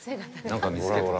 何か見つけた。